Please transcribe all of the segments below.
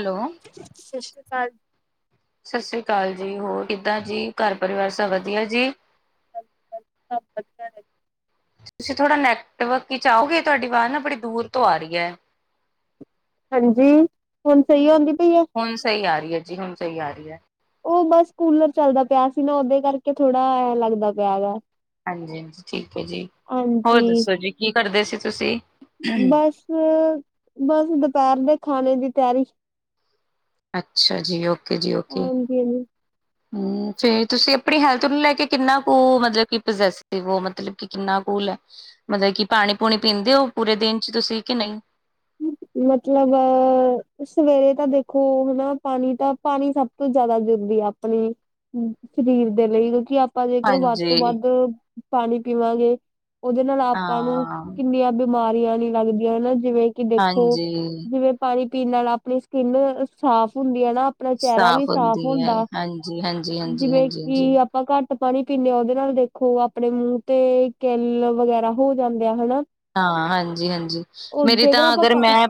Hello ਸਤਿ ਸ੍ਰੀ ਅਕਾਲ ਜੀ। ਸਤਿ ਸ੍ਰੀ ਅਕਾਲ ਜੀ। ਹੋਰ ਕਿੱਦਾਂ ਜੀ ਘਰ ਪਰਿਵਾਰ ਸਭ ਵਧੀਆ ਜੀ ਹਾਂ ਤੁਸੀਂ ਥੋੜਾ ਨੈਟਵਰਕ ਚ ਆਓਗੇ ਤੁਹਾਡੀ ਆਵਾਜ ਨਾ ਬੜੀ ਦੂਰ ਤੋਂ ਆ ਰਹੀ ਹੈ ਹਾਂਜੀ, ਹੁਣ ਸਹੀ ਆਉਂਦੀ ਪਈ। ਹੁਣ ਸਹੀ ਆ ਰਹੀ ਹੈ ਜੀ, ਹੁਣ ਸਹੀ ਆ ਰਹੀ ਹੈ ਉਹ ਬਸ ਕੂਲਰ ਚੱਲਦਾ ਪਿਆ ਸੀ ਨਾ ਉਹਦੇ ਕਰਕੇ ਥੋੜਾ ਲੱਗਦਾ ਪਿਆ ਗਾ ਹਾਂਜੀ ਠੀਕ ਹੈ ਜੀ ਹੋਰ ਹਾਂਜੀ, ਦੱਸੋ ਜੀ ਕੀ ਕਰਦੇ ਸੀ ਤੁਸੀਂ ਬਸ, ਬਸ ਦੁਪਹਿਰ ਦੇ ਖਾਣੇ ਦੀ ਤਿਆਰੀ ਅੱਛਾ ਜੀ, ਓਕੇ ਜੀ ਓਕੇ ਜੀ ਜੇ ਤੁਸੀਂ ਆਪਣੀ ਹੈਲਥ ਨੂੰ ਲੈ ਕੇ ਕਿੰਨਾ ਕੁ ਮਤਲਬ ਕਿ ਪ੍ਰੋਜੈਸਿਵ ਮਤਲਬ ਕਿ ਕਿੰਨਾ ਕੋਲ ਹੈ ਮਤਲਬ ਕਿ ਪਾਣੀ ਪੂਣੀ ਪੀਂਦੇ ਹੋ ਪੂਰੇ ਦਿਨ ਚ ਤੁਸੀਂ ਕਿ ਨਹੀਂ ਮਤਲਬ, ਸਵੇਰੇ ਤਾਂ ਦੇਖੋ ਹਨਾ ਪਾਣੀ ਤਾਂ ਪਾਣੀ ਸਭ ਸਭ ਤੋਂ ਜ਼ਿਆਦਾ ਜ਼ਰੂਰੀ ਹੈ ਆਪਣੀ ਸਰੀਰ ਦੇ ਲਈ ਕਿਉਂਕਿ ਆਪਾਂ ਜੇਕਰ ਵੱਧ ਤੋਂ ਹਾਂਜੀ ਵੱਧ ਪਾਣੀ ਪੀਵਾਂਗੇ ਉਹਦੇ ਨਾਲ ਆਪਾਂ ਨੂੰ ਹਾਂ ਕਿੰਨੀਆਂ ਬਿਮਾਰੀਆਂ ਨੀ ਲੱਗਦੀਆਂ ਹਨਾ ਜਿਵੇਂ ਕਿ ਦੇਖੋ ਹਾਂਜੀ ਜਿਵੇਂ ਪਾਣੀ ਪੀਣ ਨਾਲ ਆਪਣੀ ਸਕਿੰਨ ਸਾਫ਼ ਹੁੰਦੀ ਹੈ ਨਾ ਆਪਣਾ ਚਿਹਰਾ ਵੀ ਸਾਫ਼ ਹੁੰਦੀ ਹੈ ਹੁੰਦਾ, ਹਾਂਜੀ ਹਾਂਜੀ ਹਾਂਜੀ ਜਿਵੇਂ ਹਾਂਜੀ ਹਾਂਜੀ ਕਿ ਆਪਾਂ ਘੱਟ ਪਾਣੀ ਪੀਂਦੇ ਹਾਂ ਉਹਦੇ ਨਾਲ ਦੇਖੋ ਆਪਣੇ ਮੂੰਹ ਤੇ ਕਿੱਲ ਵਗੈਰਾ ਹੋ ਜਾਂਦੇ ਆ ਹਨਾ ਹਾਂ ਹਾਂਜੀ- ਹਾਂਜੀ, ਉਹ ਮੇਰੀ ਤਾਂ ਜੇਕਰ ਆਪਾਂ ਅਗਰ ਪਾ ਮੈਂ,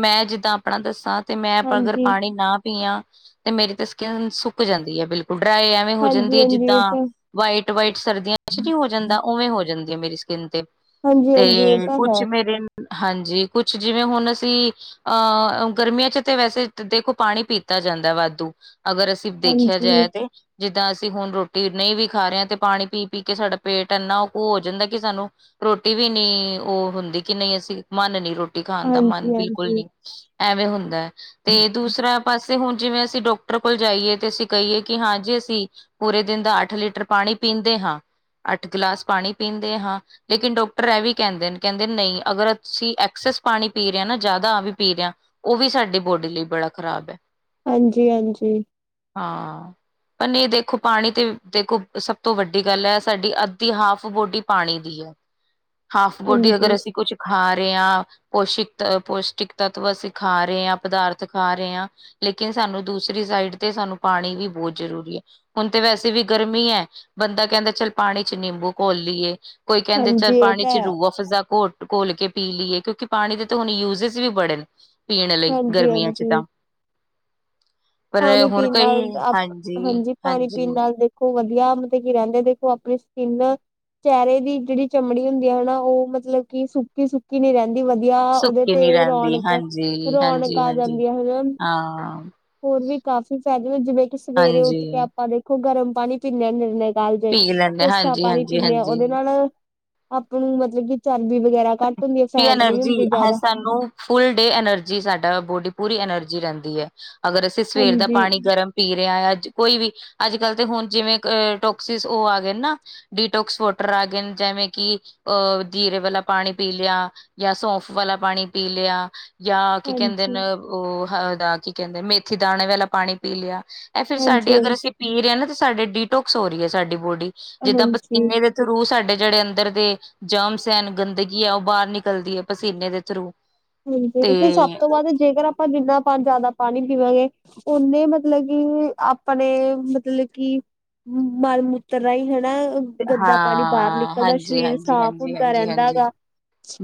ਮੈਂ ਜਿੱਦਾਂ ਆਪਣਾ ਦੱਸਾਂ ਤੇ ਮੈਂ ਅਗਰ ਹਾਂਜੀ ਪਾਣੀ ਨਾ ਪੀਆਂ ਤੇ ਮੇਰੀ ਤੇ ਸਕਿੰਨ ਸੁੱਕ ਜਾਂਦੀ ਹੈ ਬਿਲਕੁਲ ਡਰਾਈ ਐ ਹੋ ਹਾਂਜੀ ਜਾਂਦੀ ਹੈ ਹਾਂਜੀ ਜਿੱਦਾਂ ਇਹ ਤਾਂ ਵਾਈਟ ਵਾਈਟ ਸਰਦੀਆਂ ਨਹੀਂ ਹੋ ਜਾਂਦਾ ਉਵੇਂ ਹੋ ਜਾਂਦੀ ਹੈ ਮੇਰੀ ਸਕਿੰਨ ਤੇ ਹਾਂਜੀ ਹਾਂਜੀ ਇਹ ਤੇ ਤਾਂ ਹੈ ਕੁਛ ਮੇਰੇ ਹਾਂਜੀ ਕੁਛ ਜਿਵੇਂ ਹੁਣ ਅਸੀਂ ਅਹ ਗਰਮੀਆਂ ਚ ਤਾਂ ਵੈਸੇ ਦੇਖੋ ਪਾਣੀ ਪੀਤਾ ਜਾਂਦਾ ਵਾਧੂ, ਅਗਰ ਅਸੀ ਦੇਖਿਆ ਹਾਂਜੀ ਜਾਏ ਤੇ ਜਿੱਦਾਂ ਅਸੀਂ ਹੁਣ ਰੋਟੀ ਨਹੀਂ ਵੀ ਖਾ ਰਹੇ ਹਾਂ ਤੇ ਪਾਣੀ ਪੀ ਪੀ ਕੇ ਸਾਡਾ ਪੇਟ ਇੰਨਾ ਕੁ ਹੋ ਜਾਂਦਾ ਕਿ ਸਾਨੂੰ ਰੋਟੀ ਵੀ ਨਹੀ, ਉਹ ਹੁੰਦੀ ਕਿ ਨਹੀਂ ਅਸੀਂ ਮਨ ਨਹੀ ਰੋਟੀ ਖਾਣ ਦਾ ਮਨ ਹਾਂਜੀ ਹਾਂਜੀ ਬਿਲਕੁਲ ਨਹੀ ਹਾਂਜੀ ਐਵੇਂ ਹੁੰਦਾ ਹੈ ਤੇ ਦੂਸਰਾ ਪਾਸੇ ਹੁਣ ਜਿਵੇਂ ਅਸੀਂ ਡਾਕਟਰ ਕੋਲ ਜਾਈਏ ਤੇ ਅਸੀਂ ਕਹੀਏ ਕਿ ਹਾਂ ਜੀ ਅਸੀਂ ਪੂਰੇ ਦਿਨ ਦਾ ਅੱਠ ਲੀਟਰ ਪਾਣੀ ਪੀਂਦੇ ਹਾਂ, ਅੱਠ ਗਿਲਾਸ ਪਾਣੀ ਪੀਂਦੇ ਹਾਂ ਲੇਕਿਨ ਡਾਕ ਵੀ ਕਹਿੰਦੇ ਨੇ ਕਹਿੰਦੇ ਨਹੀਂ ਅਗਰ ਅਸੀਂ ਐਕਸਸ ਪਾਣੀ ਪੀ ਰਹੇ ਹਾਂ ਨਾ ਜ਼ਿਆਦਾ ਆ ਵੀ ਪੀ ਰਹੇ ਹਾਂ ਉਹ ਵੀ ਸਾਡੀ ਬੋਡੀ ਲਈ ਬੜਾ ਖ਼ਰਾਬ ਹੈ। ਹਾਂਜੀ -ਹਾਂਜੀ। ਹਾਂ। ਪਰ ਨਹੀਂ ਦੇਖੋ ਪਾਣੀ ਤੇ ਦੇਖੋ ਸਭ ਤੋਂ ਵੱਡੀ ਗੱਲ ਹੈ ਸਾਡੀ ਅੱਧੀ ਹਾਫ ਬੋਡੀ ਪਾਣੀ ਦੀ ਹੈ ਹਾਫ ਬੋਡੀ ਅਗਰ ਹਾਂਜੀ ਅਸੀਂ ਕੁਛ ਖਾ ਰਹੇ ਹਾਂ ਪੋਸ਼ਿਕ ਪੌਸ਼ਟਿਕ ਤੱਤਵ ਅਸੀਂ ਖਾ ਰਹੇ ਹਾਂ ਪਦਾਰਥ ਖਾ ਰਹੇ ਹਾਂ ਲੇਕਿਨ ਸਾਨੂੰ ਦੂਸਰੀ ਸਾਈਡ ਤੇ ਸਾਨੂੰ ਪਾਣੀ ਵੀ ਬਹੁਤ ਜ਼ਰੂਰੀ ਐ ਹੁਣ ਤੇ ਵੈਸੇ ਵੀ ਗਰਮੀ ਹੈ, ਬੰਦਾ ਕਹਿੰਦਾ ਚੱਲ ਪਾਣੀ ਚ ਨਿੰਬੂ ਘੋਲ ਲਈਏ ਕੋਈ ਕਹਿੰਦੇ ਚੱਲ ਹਾਂਜੀ ਇਹ ਪਾਣੀ ਤਾਂ ਚ ਹੈ ਰੂਆ ਫ ਘੋ ਘੋਲ ਕੇ ਪੀ ਲਈਏ ਕਿਉਂਕਿ ਪਾਣੀ ਦੇ ਤਾਂ ਹੁਣ ਯੂਜੇਜ ਵੀ ਬੜੇ ਨੇ। ਪੀਣ ਲਈ ਹਾਂਜੀ- ਗਰਮੀਆਂ ਚ ਹਾਂਜੀ। ਤਾਂ ਪਰ ਪਾਣੀ ਹੁਣ ਪੀਣ ਕਈ ਨਾਲ ਆਪ ਹਾਂਜੀ ਪਾਣੀ ਪੀਣ ਨਾਲ ਦੇਖੋ ਵਧੀਆ ਮਤਲਬ ਕੀ ਰਹਿੰਦੇ ਦੇਖੋ ਆਪਣੀ ਸਕਿੰਨ ਚਿਹਰੇ ਦੀ ਜਿਹੜੀ ਚਮੜੀ ਹੁੰਦੀ ਆ ਹਨਾ ਉਹ ਮਤਲਬ ਕਿ ਸੁੱਕੀ- ਸੁੱਕੀ ਨਹੀ ਰਹਿੰਦੀ ਕਦੀ ਵਧੀਆ ਉਹਦੇ ਸੁੱਕੀ ਨੀ ਤੇ ਰਹਿੰਦੀ ਰੌਣਕ- ਹਾਂਜੀ ਰੌਣਕ ਹਾਂਜੀ ਆ ਹਾਂਜੀ ਜਾਂਦੀ ਆ ਹਨਾ ਹਾਂ ਹੋਰ ਵੀ ਕਾਫ਼ੀ ਫਾਇਦੇ ਜਿਵੇਂ ਕਿ ਸਵੇਰੇ ਉੱਠ ਕੇ ਹਾਂਜੀ ਆਪਾਂ ਦੇਖੋ ਗਰਮ ਪਾਣੀ ਪੀਦੇ ਹਾਂ ਨਿਰਨੇ ਦਾਲ ਜਾਏ ਪੀ ਲੈਂਦੇ ਕੋਸਾ ਹਾਂਜੀ ਪਾਣੀ ਹਾਂਜੀ ਪੀਂਦੇ ਹਾਂ ਹਾਂਜੀ ਉਹਦੇ ਨਾਲ ਆਪ ਨੂੰ ਮਤਲਬ ਕਿ ਚਰਬੀ ਵਗੈਰਾ ਘੱਟ ਹੁੰਦੀ ਹੈ [unintelligible] ਫੈਟ ਨਹੀਂ ਐਨਰਜੀ ਹੁੰਦੀ ਹੈ ਜ਼ਿਆਦਾ ਸਾਨੂੰ ਫੁੱਲ ਡੇ ਐਨਰਜੀ ਸਾਡਾ ਬੋਡੀ ਪੂਰੀ ਐਨਰਜੀ ਰਹਿੰਦੀ ਹੈ ਅਗਰ ਅਸੀਂ ਸਵੇਰ ਦਾ ਹਾਂਜੀ ਪਾਣੀ ਗਰਮ ਪੀ ਰਿਹਾ ਆ ਅੱਜ ਕੋਈ ਵੀ ਅੱਜ ਕੱਲ ਤੇ ਹੁਣ ਜਿਵੇਂ ਅ ਟੋਕਸਿਸ ਉਹ ਆ ਗਏ ਨ ਨਾ ਡੀਟੋਕਸ ਵੋਟਰ ਆ ਗਏ ਜਿਵੇਂ ਕਿ ਅਹ ਜੀਰੇ ਵਾਲਾ ਪਾਣੀ ਪੀ ਲ ਆ ਯਾ ਸੌਫ ਵਾਲਾ ਪਾਣੀ ਪੀ ਲਿਆ ਯਾ ਕੀ ਕਹਿੰਦੇ ਨ ਹਾਂਜੀ ਉਹ ਉਹਦਾ ਕੀ ਕਹਿੰਦੇ ਮੇਥੀ ਦਾਣੇ ਵਾਲਾ ਪਾਣੀ ਪੀ ਲਿਆ ਐਹ ਫੇਰ ਹਾਂਜੀ ਹਾਂਜੀ ਸਾਡੀੇ ਅਗਰ ਅਸੀਂ ਪੀਰਹਾ ਨਾ ਤੇ ਸਾਡੇ ਡੀਟੋਕਸ ਹੋ ਰਹੀ ਹੈ ਸਾਡੀ ਬੋਡੀ ਜਿੱਦਾਂ ਹਾਂਜੀ ਪਸੀਨੇ ਦੇ ਥਰੂ ਸਾਡੇ ਜਿਹੜੇ ਅੰਦਰ ਦੇ ਜਮਸ ਐ ਗੰਦਗੀ ਆ ਉਹ ਬਾਹਰ ਨਿਕਲਦੀ ਹੈ ਪਸੀਨੇ ਦੇ ਥਰੂ ਤੇ ਹਾਂਜੀਕ ਸਭ ਤੋਂ ਬਾਅਦ ਜੇਕਰ ਆਪਾਂ ਜਿੰਨਾ ਪਾ ਜ਼ਿਆਦਾ ਪਾਣੀ ਪੀਵਾਂਗੇ ਉਹਨੇ ਮਤਲਬ ਕੀ ਆਪਣੇ ਮਤਲਬ ਕੀ ਮਾਲ ਮੂਤਰ ਰਾਹੀਂ ਹੈਨਾ ਗੰਦਾ ਪਾਣੀ ਬਾਹਰ ਹਾਂ ਨਿਕਲਦਾ ਹਾਂਜੀ ਸਰੀਰ ਹਾਂਜੀ ਸਾਫ਼ ਹਾਂਜੀ ਹੁੰਦਾ ਹਾਂਜੀ ਰਹਿੰਦਾ ਹਾਂਜੀ ਗਾ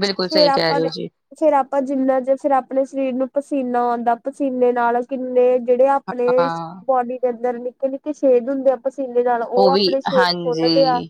ਬਿਲਕੁਲ ਸਹੀ ਕਹਿ ਆਪਾਂ ਰਹੇ ਹੋ ਦੇ ਜੀ ਫੇਰ ਆਪਾਂ ਜਿੰਨਾ ਜੇ ਫੇਿਰ ਆਪਣੇ ਸਰੀਰ ਨੂੰ ਪਸੀਨਾ ਆਉਂਦਾ ਪਸੀਨੇ ਨਾਲ ਕਿੰਨੇ ਜਿਹੜੇ ਆਪਣੇ ਹਾਂ ਬੋਡੀ ਦੇ ਅੰਦਰ ਨਿੱਕੇ ਨਿੱਕੇ ਸ਼ੇਡ ਹੁੰਦੇ ਪਸੀਨੇ ਨਾਲ ਉਹ ਵੀ ਆਪਣੇ ਸ਼ੇਰ ਖੋਲਦੇ ਆ ਹਾਂਜੀ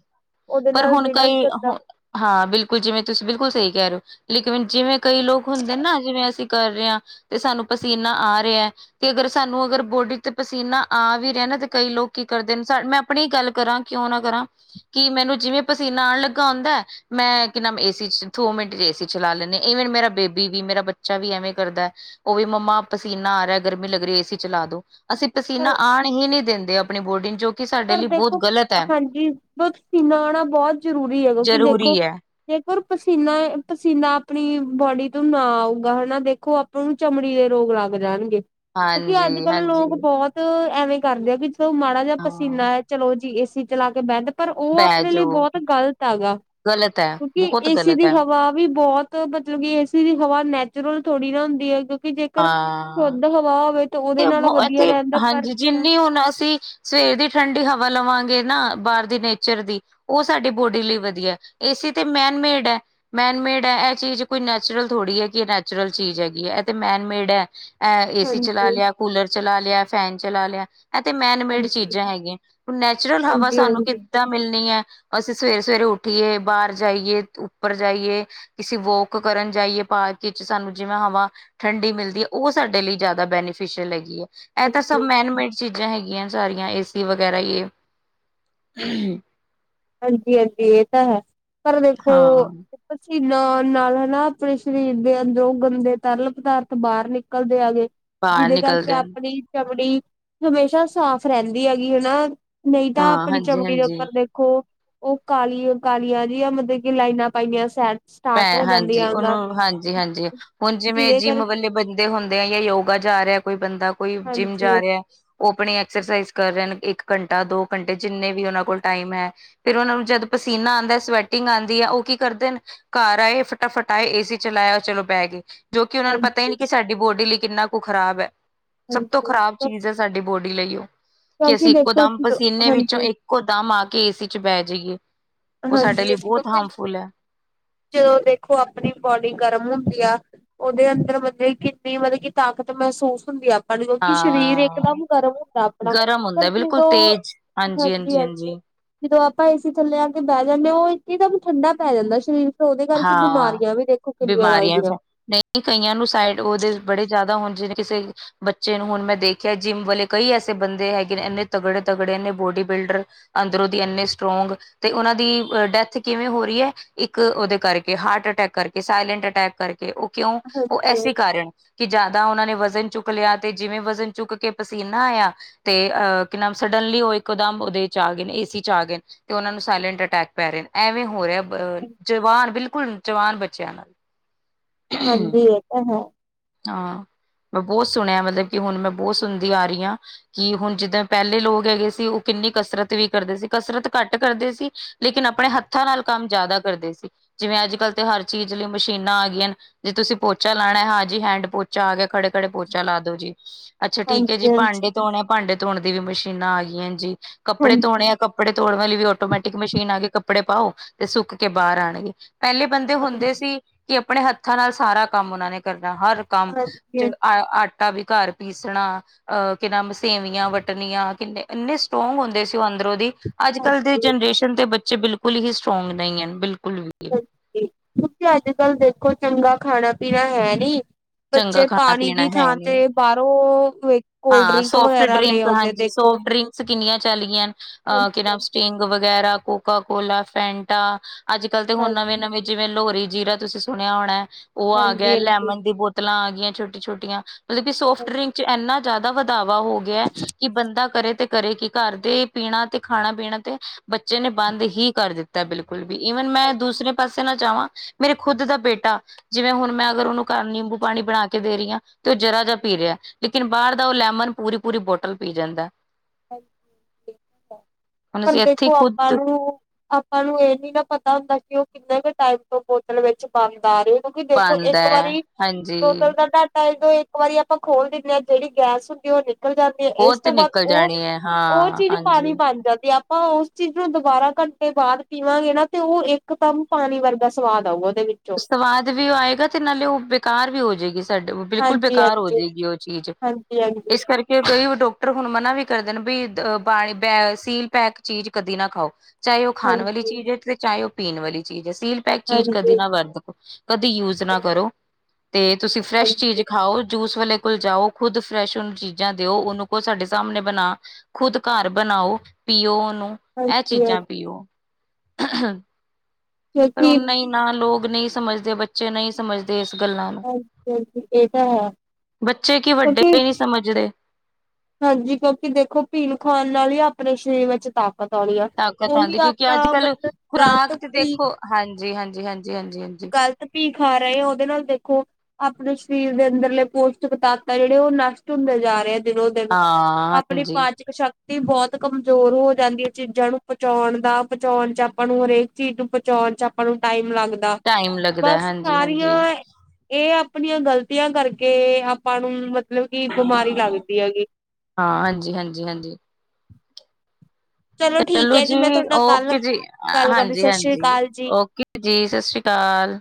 ਉਹਦੇ ਪਰ ਨਾਲ ਹੁਣ ਜਿਹੜਾ ਕਈ ਗੰਦਾ ਹੁ ਹਾਂ ਬਿਲਕੁਲ ਜਿਵੇਂ ਤੁਸੀਂ ਬਿਲਕੁਲ ਸਹੀ ਕਹਿ ਰਹੇ ਹੋ ਲੇਕਿਨ ਜਿਵੇਂ ਕਈ ਲੋਕ ਹੁੰਦੇ ਨਾ ਜਿਵੇਂ ਅਸੀਂ ਕਰ ਰਹੇ ਹਾਂ ਤੇ ਸਾਨੂੰ ਪਸੀਨਾ ਆ ਰਿਹਾ ਐ ਤੇ ਅਗਰ ਸਾਨੂੰ ਅਗਰ ਬੋਡੀ ਤੇ ਪਸੀਨਾ ਆ ਵੀ ਰਹਿ ਨਾ ਤੇ ਕਈ ਲੋਕ ਕੀ ਕਰਦੇ ਨੇ ਮੈਂ ਆਪਣੀ ਗੱਲ ਕਰਾਂ ਕਿਉਂ ਨਾ ਕਰਾਂ ਕੀ ਮੈਨੂੰ ਜਿਵੇਂ ਪਸੀਨਾ ਆਣ ਲੱਗਾ ਆਉਂਦਾ ਮੈਂ ਕਿ ਨਾਮ ਏਸੀ ਚ ਦੋ ਮਿੰਟ ਚ ਏਸੀ ਚਲਾ ਲੈਨੀ ਈਵਨ ਮੇਰਾ ਬੇਬੀ ਵੀ ਮੇਰਾ ਬੱਚਾ ਵੀ ਐਵੇਂ ਕਰਦਾ ਉਹ ਵੀ ਮੰਮਾ ਪਸੀਨਾ ਆ ਰਿਹਾ ਗਰਮੀ ਲੱਗ ਰਹੀ ਏਸੀ ਚਲਾ ਦੋ ਅਸੀਂ ਪਸੀਨਾ ਪਰ ਆਉਣ ਹੀ ਨਹੀਂੀ ਦਿੰਦੇ ਆਪਣੀ ਬੋਰਡਿੰ ਨੂੰ ਜੋ ਕਿ ਸਾਡੇ ਪਰ ਲਈ ਬਹੁਤ ਦੇਖੋ ਗ਼ਲਤ ਹੈ ਹਾਂਜੀ ਸੀਨਾ ਆਉਣਾ ਬਹੁਤ ਜ਼ਰੂਰੀ ਹੈ ਕਿਉਂਕਿ ਦੇਖੋ ਜ਼ਰੂਰੀ ਹੈ ਜੇਕਰ ਪਸੀਨਾ ਪਸੀਨਾ ਆਪਣੀ ਬੋਡੀ ਤੋਂ ਨਾ ਆਊਗਾ ਹਨਾ ਦੇਖੋ ਅ ਨੂੰ ਚਮੜੀ ਦੇ ਰੋਗ ਲੱਗ ਜਾਣਗੇ ਕਿਉਂਕਿ ਹਾਂਜੀ ਅੱਜ ਕੱਲ੍ਹ ਹਾਂਜੀ ਲੋਕ ਬਹੁਤ ਐਵੇਂ ਕਰਦੇ ਆ ਵੀ ਜਦੋ ਮਾੜਾ ਜਿ ਹਾਂ ਪਸੀਨਾ ਹੈ ਚਲੋ ਜੀ ਏਸੀ ਚਲਾ ਕੇ ਬੈਡ ਪਰ ਉਹ ਆਪਣੇ ਬੈਜੋ ਲਈ ਬਹੁਤ ਗ਼ਲਤ ਆ ਗਾ ਗ਼ਲਤ ਹੈ ਕਿਉਂਕਿ ਬਹੁਤ ਏਸੀ ਗ਼ਲਤ ਦੀ ਹੈ ਹਵਾ ਵੀ ਬਹੁਤ ਮਤਲਬ ਕਿ ਏਸੀ ਦੀ ਹਵਾ ਨੈਚੁਰਲ ਥੋੜੀ ਨਾ ਹੁੰਦੀ ਹੈ ਕਿਉਂਕਿ ਜੇਕਰ ਹਾਂ ਸ਼ੁੱਧ ਹਵਾ ਹੋਵੇ ਉਹਦੇ ਨਾਲੋਂ ਵਧੀਆ ਤੇ ਰਹਿੰਦਾ ਪਰ ਹਾਂਜੀ ਜਿੰਨੀ ਹੁਣ ਅਸੀਂ ਸਵੇਰ ਦੀ ਠੰਢਡੀ ਹਵਾ ਲਵਾਂਗੇ ਨਾ ਬਾਹਰ ਦੀ ਨੇਚਰ ਦੀ ਉਹ ਸਾਡੀ ਬੋਡੀ ਲਈ ਵਧੀਆ ਏਸੀ ਤੇ ਮੈਨ ਮੇਡ ਐ ਮੈਨਮੇਡ ਹੈ ਇਹ ਚੀਜ਼ ਕੋਈ ਨੈਚੁਰਲ ਥੋੜ੍ਹੀ ਹੈ ਕਿ ਇਹ ਨੈਚੁਰਲ ਚੀਜ਼ ਹੈਗੀ ਹੈ ਇਹ ਤੇ ਮੈਨਮੇਡ ਐ ਅ ਏ-ਸੀ ਹਾਂਜੀ ਚਲਾ ਲਿਆ ਕੂਲਰ ਚਲਾ ਲਿਆ ਫੈਨ ਚਲਾ ਲਿਆ, ਇਹ ਤੇ ਮੈਨਮੇਡ ਹਾਂਜੀ ਚੀਜ਼ਾਂ ਹੈਗੀਆਂ ਨੈਚੁਰਲ ਹਵਾ ਹਾਂਜੀ ਸਾਨੂੰ ਕਿ ਹਾਂਜੀ ਕਿਦਾ ਮਿਲਣੀਆ ਅਸੀਂ ਸਵੇਰੇ ਸਵੇਰੇ ਉੱਠੀਏ ਬਾਹਰ ਜਾਈਏ ਉੱਪਰ ਜਾਈਏ ਕਿਸੀ ਵੋਕ ਕਰਨ ਜਾਈਏ ਪਾਰਕ ਵਿੱਚ ਸਾਨੂੰ ਜਿਵੇਂ ਹਵਾ ਠੰਡੀ ਮਿਲਦੀ ਹੈ। ਉਹ ਸਾਡੇ ਲਈ ਜ਼ਿਆਦਾ ਬੈਨੀਫਿਸ਼ਲ ਹੈਗੀ ਹੈ ਇਹ ਤਾਂ ਸਭ ਹਾਂਜੀ ਮੈਨ ਮੇਡ ਚੀਜ਼ਾਂ ਹੈਗੀਆਂ ਸਾਰੀਆਂ ਏਸੀ ਵਗੈਰਾ ਹ ਹਾਂਜੀ ਹਾਂਜੀ ਇਹ ਤਾਂ ਹੈ ਪਰ ਦੇਖੋ ਹਾਂ ਪਸੀਨਾ ਆਣ ਨਾਲ ਹਨਾ ਆਪਣੇ ਸਰੀਰ ਦੇ ਅੰਦਰੋਂ ਗੰਦੇ ਤਰਲ ਪਦਾਰਥ ਬਾਹਰ ਨਿਕਲਦੇ ਆ ਗੇ ਬਾਹਰ ਜਿਹਦੇ ਕਰਕੇ ਨਿਕਲਦੇ ਨੇ ਆਪਣੀ ਚਮੜੀ ਹਮੇਸ਼ਾ ਸਾਫ਼ ਰਹਿੰਦੀ ਹੈਗੀ ਹਨਾ ਨਹੀਂ ਤਾਂ ਹਾਂ ਆਪਣੀ ਚਮੜੀ ਦੇ ਹਾਂਜੀ-ਹਾਂਜੀ। ਉੱਪਰ ਦੇ ਖੋ ਉਹ ਕਾਲੀਆਂ ਕਾਲੀਆਂ ਦੀਆਂ ਮਲਬ ਕਿ ਲਾਈਨਾਂ ਪਾਈਆਂ ਸੈਟ ਭੈ ਹਾਂਜੀ ਉਹਨੂੰ ਹਾਂਜੀ ਹਾਂਜੀ ਹੁਣ ਜਿਵੇਂ ਜਿਹਦੇ ਜਿੰਮ ਕਰ ਵੇ ਬੰ ਹੁੰਦੇ ਆ ਜਾਂ ਯੋਗਾ ਜਾ ਰਿਹਾ ਕੋਈ ਬੰਦਾ ਕੋਈ ਜਿੰਮ ਜਾ ਹਾਂਜੀ-ਹਾਂਜੀ-ਹਾਂਜੀ ਰਿਹਾ ਐ ਉਹ ਆਪਣੀ ਐਕਸਰਸਾਈਜ਼ ਕਰ ਰਹੇ ਹਨ ਇੱਕ ਘੰਟਾ ਦੋ ਘੰਟੇ ਜਿੰਨੇ ਵੀ ਉਹਨਾਂ ਕੋਲ ਟਾਈਮ ਹੈ ਫਿਰ ਉਹਨਾ ਨੂੰ ਜਦ ਪਸੀਨਾ ਆਉਂਦਾ ਸਵੈਟਿੰਗ ਆਉਂਦੀ ਹੈ, ਉਹ ਕੀ ਕਰਦੇ ਨੇ ਘਰ ਆਏ ਫਟਾਫਟ ਆਏ ਏ-ਸੀ ਚਲਾਇਆ ਚਲੋ ਬਹਿ ਗਏ ਜੋ ਕਿ ਉਹਨਾਂ ਨੂੰ ਪਤਾ ਹੀ ਨਹੀਂ, ਕਿ ਸਾਡੀ ਬੋਡੀ ਲਈ ਕਿੰਨਾ ਕੁ ਖ਼ਰਾਬ ਹੈ ਸਭ ਤੋਂ ਖ਼ਰਾਬ ਚੀਜ਼ ਹੈ, ਸਾਡੀ ਬੋਡੀ ਲਈ ਉਹ ਕਿ ਕਿਉਂਕਿ ਅਸੀਂ ਇੱਕੋ ਦੇਖੋ ਦਮ ਪਸੀਨੇ ਵਿੱਚੋਂ ਇੱਕੋ ਦਮ ਆ ਕੇ ਏਸੀ ਚ ਬਹਿ ਜਾਈਏ ਉਹ ਸਾਡੇ ਲਈ ਹਾਂਜੀ-ਹਾਂਜੀ-ਹਾਂਜੀ ਬਹੁਤ ਕਿਉਂਕਿ ਹਾਰਮਫੁਲ ਹੈ। ਜਦੋਂ ਦੇਖੋ ਆਪਣੀ ਬੋਡੀ ਗਰਮ ਹੁੰਦੀ ਆ, ਉਹਦੇ ਅੰਦਰ ਮਤਲਬ ਕਿੰਨੀ ਮਤਲਬ ਕਿ ਤਾਕਤ ਮਹਿਸੂਸ ਹੁੰਦੀ ਆ। ਕਿਉਂਕਿ ਸਰੀਰ ਹਾਂ ਇੱਕਦਮ ਗਰਮ ਹੁੰਦਾ ਆਪਣਾ ਗਰਮ ਪਰ ਹੁੰਦਾ ਬਿਲਕੁਲ ਜਦੋਂ ਤੇਜ਼ ਹਾਂਜੀ ਆਂਟੀ ਜਦੋਂ ਆਪਾਂ ਏਸੀ ਥੱਲੇ ਆ ਕੇ ਬਹਿ ਜਾਂਦੇ, ਉਹ ਇੱਕਦਮ ਠੰਡਾ ਪੈ ਜਾਂਦਾ ਸਰੀਰ ਫਿਰ ਉਹਦੇ ਕਰਕੇ ਹਾਂ ਬਿਮਾਰੀਆਂ ਵੀ ਦੇਖੋ ਕਿੰਨੀਆਂ ਬਿਮਾਰੀਆਂ ਲੱਗਦੀਆਂ, ਫੈ ਕਈਆਂ ਨੂੰ ਸਾਈਡ ਉਹਦੇ ਬੜੇ ਜ਼ਿਆਦਾ ਹਣ ਕਿਸੇ ਬੱਚੇ ਜਿਵੇਂ ਹੁਣ ਮੈਂ ਦੇਖਿਆ ਜਿੰਮ ਵਾਲੇ ਕਈ ਐਸੇ ਬੰਦੇ ਹੈਗੇ ਨੇ ਇੰਨੇ ਤਗੜੇ ਤਗੜੇ ਇੰਨੇ ਬੋਡੀ ਬਿਲਡਰ, ਅੰਦਰੋਂ ਦੀ ਇੰਨੇ ਸਟਰੋਂਗ ਤੇ, ਉਹਨਾਂ ਦੀ ਡੈਥ ਕਿਵੇਂ ਹੋ ਰਹੀ ਹੈ ਇੱਕ ਉਹਦੇ ਕਰਕੇ ਹਾਰਟ ਅਟੈਕ ਕਰਕੇ ਸਾਇਲੈਂਟ ਅਟੈਕ ਕਰਕੇ ਉਹ ਕਿਉਂ ਉਹ ਹਾਂਜੀ ਐਸੀ ਹਾਂਜੀ ਕਾਰਨ ਕਿ ਜ਼ਿਆਦਾ ਉਹਨਾਂ ਨੇ ਵਜ਼ਨ ਚੁੱਕ ਲਿਆ ਤੇ ਜਿਵੇਂ ਵਜ਼ਨ ਚੁੱਕ ਕੇ ਪਸੀਨਾ ਆਇਆ ਤੇ ਅਹ ਕਿ ਨਾਮ ਸਡਨਲੀ ਉਹ ਇੱਕਦਮ ਉਹਦੇ ਚ ਆ ਗਏ ਏ ਸੀ ਚ ਆ ਗਏ ਤੇ ਉਹਨਾਂ ਨੂੰ ਸਾਇਲੈਂਟ ਅਟੈਕ ਪੈ ਰਹੇ ਨੇ ਐਵੇਂ ਹੋ ਰਿਹਾ ਅਹ ਜਵਾਨ ਬਿਲਕੁਲ ਜਵਾਨ ਬੱਚਿਆਂ ਨਾਲ, ਹਾਂਜੀ ਇਹ ਤਾਂ ਹੈ ਹਾਂ ਮੈਂ ਬਹੁਤ ਸੁਣਿਆ ਮਤਲਬ ਕਿ ਹੁਣ ਮੈਂ ਬਹੁਤ ਸੁਣਦੀ ਆ ਰਹੀ ਹਾਂ, ਕਿ ਹੁਣ ਜਿੱਦਾਂ ਪਹਿਲੇ ਲੋਕ ਹੈਗੇ ਸੀ। ਉਹ ਕਿੰਨੀ ਕਸਰਤ ਵੀ ਕਰਦੇ ਸੀ ਕਸਰਤ ਘੱਟ ਕਰਦੇ ਸੀ, ਲੇਕਿਨ ਆਪਣੇ ਹੱਥਾਂ ਨਾਲ ਕੰਮ ਜ਼ਿਆਦਾ ਕਰਦੇ ਸੀ। ਜਿਵੇਂ ਅੱਜ ਕੱਲ੍ਹ ਤੇ ਹਰ ਚੀਜ਼ ਲਈ ਮਸ਼ੀਨਾਂ ਆ ਗਈਆਂ ਨੇ ਜੇ ਤੁਸੀਂ ਪੋਚਾ ਲਾਣਾ ਹੈ ਹ ਜੀ ਹੈਂਡ ਪੋਚਾ ਆ ਗਿਆ ਖੜੇ ਖੜੇ ਪੋਚਾ ਲਾ ਦੋ ਜੀ ਅੱਛਾ ਠੀਕ ਹੈ ਜੀ ਹਾਂਜੀ ਹਾਂਜੀ ਭਾਂਡੇ ਤੋਂਨੇ ਭਾਂਡੇ ਧੋਣ ਦੀ ਵੀ ਮਸ਼ੀਨਾਂ ਆ ਗਈਆਂ ਨੇ ਜੀ ਕੱਪੜੇ ਹਾਂਜੀ ਧੋਣੇ ਆ ਕੱ ਕੱਪੜੇ ਤੋਨ ਵਾਲੀ ਵੀ ਆਟੋਮੈਟਿਕ ਮਸ਼ੀਨ ਆ ਗਈ ਕੇ ਕੱਪੜੇ ਪਾਓ ਤੇ ਸੁੱਕ ਕੇ ਬਾਹਰ ਆਉਣਗੇ ਪਹਿਲੇ ਬੰਦੇ ਹੁੰਦੇ ਸੀ, ਕਿ ਆਪਣੇ ਹੱਥਾਂ ਨਾਲ ਸਾਰਾ ਕੰਮ ਉਹਨਾਂ ਨੇ ਕਰਨਾ ਹਰ ਕੰਮ ਹਾਂਜੀ ਹਾਂਜੀ ਚ ਆਟਾ ਵੀ ਘਰ ਪੀਸਣਾ, ਅਹ ਕਿ ਨਾਮ ਸੇਵੀਆਂ ਵਟਣੀਆਂ, ਕਿੰਨੇ ਇੰਨੇ ਸਟਰੋਂਗ ਹੁੰਦੇ ਸੀ ਉਹ ਅੰਦਰੋਂ ਦੀ ਅੱਜ-ਕੱਲ੍ਹ ਦੀ ਹਾਂਜੀ ਜਨਰੇਸ਼ਨ ਦੇ ਬੱਚੇ ਬਿਲਕੁਲ ਹੀ ਸਟਰੋਂਗ ਨਹੀਂ ਹਨ, ਬਿਲਕੁਲ ਵੀ ਤੁਸੀਂ ਅੱਜ-ਕੱਲ ਦੇਖੋ ਚੰਗਾ ਖਾਣਾ ਪੀਣਾ ਹੈ ਨੀ। ਚੰਗਾ ਬੱਚੇ ਖਾਣਾ ਪਾਣੀ ਦੀ ਪੀਣਾ ਹੈ ਥਾਂ ਨਹੀਂ ਤੇ ਬਾਹਰੋਂ ਕੋਲਡ ਹਾਂ ਡਰਿੰਕ ਸੋਫਟ ਵਗੈਰਾ ਲੈ ਡਰਿੰਕ ਆਉਂਦੇ, ਹਾਂਜੀ ਦੇਖੋ ਸੋਫਟ ਡ੍ਰਿੰਕਸ ਕਿੰਨੀਆਂ ਚਲਗਿਆ ਕਿ ਹਾਂਜੀ ਸਟਿੰਗ ਵਗੈਰਾ ਕੋਕਾ ਕੋਲਾ, ਫੈਂਟਾ ਅੱਜ-ਕਲ ਤੇ ਹਾਂ ਹੁਣ ਨਵੇਂ ਨਵੇਂ ਜਿਵੇਂ ਲੋਹਰੀ ਜੀਰਾ ਤੁਸੀਂ ਸੁਣਿਆ ਹੋਣਾ, ਉਹ ਆ ਗਿਆ ਹਾਂਜੀ ਹਾਂਜੀ ਲੈਮਨ ਦੀ ਬੋਤ ਬੋਤਲਾਂ ਆ ਗਈਆਂ ਛੋਟੀ ਛੋਟੀਆਂ ਮਤਲਬ ਕਿ ਸੋਫਟ ਡਰਿੰਕ ਚ ਇੰਨਾ ਜ਼ਿਆਦਾ ਵਧਾਵਾ ਹੋ ਗਿਆ, ਕਿ ਬੰਦਾ ਕਰੇ ਤੇ ਕਰੇ ਕਿ ਘਰ ਦੇ ਖਾਣਾ ਪੀਣਾ ਤੇ ਬੱਚੇ ਨੇ ਬੰਦ ਹੀ ਕਰ ਦਿੱਤਾ ਬਿਲਕੁਲ ਵੀ ਈਵਨ ਮੈਂ ਦੂਸਰੇ ਪਾਸੇ ਨਾ ਚਾਹਵਾਂ ਮੇਰੇ ਖੁੱਦ ਦਾ ਬੇਟਾ ਜਿਵੇਂ ਹੁਣ ਮੈਂ ਅਗਰ ਉਹਨੂੰ ਕਾ ਨਿੰਬੂ ਪਾਣੀ ਬਣਾ ਕੇ ਦੇ ਰਹੀ ਹਾਂ ਤੇ ਉਹ ਜਰਾ ਜਿਹਾ ਪੀ ਰਿਹਾ ਲੇਕਿਨ ਬਾਹਰ ਦਾ ਉਹ ਲੈਮਨ ਪੂਰੀ ਪੂਰੀ ਬੋਟਲ ਪੀ ਜਾਂਦਾ ਹੁਣ ਪਰ ਅਸੀਂ ਇੱਥੇ ਦੇਖੋ ਆਪਾਂ ਖੁੱਦ ਨੂੰ ਆਪਾਂ ਨੂੰ ਇਹ ਨੀ ਨਾ ਪਤਾ ਹੁੰਦਾ, ਕਿ ਉਹ ਕਿੰਨੇ ਕੁ ਟਾਈਮ ਤੋਂ ਬੋਤਲ ਵਿੱਚ ਬੰਣਦ ਆ ਰਹੇ ਕਿਉਂਕਿ ਦੇਖੋ ਪਾਂਦਾ ਇੱਕ ਐ ਵਾਰੀ ਬੋਤਲ ਹਾਂਜੀ। ਦਾ ਘਾਟਾ ਦੋਂ ਇੱਕ ਵਾਰੀ ਆਪਾਂ ਖੋਲ ਦਿੰਦੇ ਹਾਂ, ਜਿਹੜੀ ਗੈਸ ਹੁੰਦੀ ਉਹ ਨਿਕਲ ਜਾਂਦੀ ਹੈ। ਉਹ ਇਸ ਤੇ ਤੋਂ ਬਾਅਦ ਨਿਕਲ ਉਹ ਜਾਣੀ ਐ ਉਹ ਹਾਂ ਚੀਜ਼ ਪਾਣੀ ਹਾਂਜੀ। ਪਾ ਹਾਂ ਤੇ ਆਪਾਂ ਉਸ ਚੀਜ਼ ਨੂੰ ਦੁਬਾਰਾ ਘੰਟੇ ਬਾਅਦ ਪੀਵਾਂਗੇ ਨਾ ਤੇ ਉਹ ਇੱਕ ਦਮ ਪਾਣੀ ਵਰਗਾ ਸਵਾਦ ਆਊਗਾ ਉਹਦੇ ਵਿੱਚ ਸਵਾਦ ਵੀ ਆਏਗਾ, ਤੇ ਨਾਲੇ ਉਹ ਬੇਕਾਰ ਵੀ ਹੋ ਜਾਏਗੀ ਸਾਡੇ ਬਿਲਕੁਲ ਹਾਂਜੀ ਬੇਕਾਰ ਹੋ ਹਾਂਜੀ ਜਾਏਗੀ ਉਹ ਚੀਜ਼। ਹਾਂਜੀ ਹਾਂਜੀ ਇਸ ਕਰਕੇ। ਕਿ ਕਈ ਡਾਕਟਰ ਹੁਣ ਮਨਾ ਵੀ ਕਰਦੇ ਨੇ ਵੀ ਬਾਣੀ ਸੀਲ ਪੈਕ ਚੀਜ਼ ਕਦੀ ਨਾ ਖਾਓ ਚਾਹੇ ਉਹ ਖਾਣ ਵਾਲੀ ਹਾਂਜੀ ਚੀਜ਼ ਹੈ ਤੇ ਚਾਹੇ ਉਹ ਪੀਣ ਵਾਲੀ ਚੀਜ਼ ਹੈ ਸੀਲ ਪੈਕ ਚੀਜ਼ ਕਦੀ ਹਾਂਜੀ ਨਾ ਵਰਤੋ ਕਦੀ ਯੂਜ ਨਾ ਕਰੋ ਤੇ ਤੁਸੀਂ ਫਰੈਸ਼ ਚੀਜ਼ ਹਾਂਜੀ ਖਾਓ ਜੂਸ ਵਾਲੇ ਕੋਲ ਜਾਓ ਖੁਦ ਫਰੈਸ਼ ਉਨੂੰ ਚੀਜ਼ਾਂ ਦਿਓ ਉਹਨੂੰ ਕਹੋ ਸਾਡੇ ਸਾਹਮਣੇ ਬਣਾ ਖੁਦ ਘਰ ਬਣਾਓ ਪੀਓ ਉਹਨੂੰ ਇਹ ਹਾਂਜੀ ਹਾਂਜੀ ਚੀਜ਼ਾਂ ਪੀਓ ਪਰ ਉਹੁ ਕਿਉਂਕਿ ਨਹੀਂ ਨਾ ਲੋਕ ਨਹੀਂ ਸਮਝਦੇ ਬੱਚੇ ਨਹੀਂ ਸਮਝਦੇ ਇਸ ਗੱਲਾਂ ਨੂੰ ਹਾਂਜੀ ਹਾਂਜੀ ਇਹ ਤਾਂ ਹੈ ਬੱਚੇ ਕੀ ਵੱਡੇ ਕਿਉਂਕਿ ਨਹੀਂੀ ਸਮਝਦੇ ਹਾਂਜੀ ਕਿਉਂਕਿ ਦੇਖੋ ਪੀਣ ਖਾਣ ਨਾਲ ਵੀ ਆਪਣੇ ਸਰੀਰ ਵਿੱਚ ਤਾਕਤ ਆਉਂਦੀ ਆ ਤਾਕਤ ਉਹੀ ਆਉਂਦੀ ਕਿਉਂਕਿ ਅੱਜ ਆਪਾਂ ਕੱਲ ਮਤਲਬ ਖੁਰਾਕ ਗਲਤ ਤੇ ਭੀਕ ਦੇਖੋ ਹਾਂਜੀ- ਹਾਂਜੀ, ਹਾਂਜੀ- ਹਾਂਜੀ, ਹਾਂਜੀ। ਭੀ ਖਾ ਰਹੇ ਆ ਉਹਦੇ ਨਾਲ ਦੇਖੋ ਆਪਣੇ ਸਰੀਰ ਦੇ ਅੰਦਰਲੇ ਪੋਸ਼ਟਕ ਤਾਤਾਂ ਜਿਹੜੇ ਉਹ ਨਸ਼ਟ ਹੁੰਦੇ ਜਾ ਰਹੇ ਦਿਨੋ ਦੇਦੋ ਹਾਂ ਆਪਣੀ ਹਾਂਜੀ ਪਾਚਕ ਸ਼ਕਤੀ ਬਹੁਤ ਕਮਜ਼ੋਰ ਹੋ ਜਾਂਦੀ ਹੈ ਚੀਜ਼ਾਂ ਨੂੰ ਪਹੁੰਚਾਉਣ ਦਾ ਪਹੁੰਚਾਉਣ ਚ ਆਪਾਂ ਨੂੰ ਹਰੇਕ ਚੀਜ਼ ਨੂੰ ਪਹੁੰਚਾਉਣ ਚ ਆਪਾਂ ਨੂੰ ਟਾਈਮ ਲੱਗਦਾ। ਟਾਈਮ। ਲੱਗਦਾ ਬਸ ਹਾਂਜੀ ਹਾਂਜੀ ਸਾਰੀਆਂ ਇਹ ਆਪਣੀਆਂ ਗ਼ਲਤੀਆਂ ਕਰਕੇ ਆਪਾਂ ਨੂੰ ਮਤਲਬ ਕਿ ਬਿਮਾਰੀ ਲੱਗਦੀ ਹੈਗੀ। ਹਾਂ ਹਾਂਜੀ -ਹਾਂਜੀ, ਹਾਂਜੀ। ਠੀਕ ਚਲੋ ਹੈ ਜੀ ਮੈਂ ਤੁਹਾਡੇ ਨਾਲ ਕੱਲ ਓਕੇ ਜੀ ਗੱਲ ਕਰਦੀ ਹਾਂਜੀ ਸਤਿ ਸ੍ਰੀ -ਹਾਂਜੀ ਅਕਾਲ ਜੀ ਓਕੇ। ਜੀ ਸਤਿ ਸ਼੍ਰੀ ਅਕਾਲ।